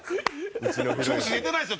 調子出てないですよ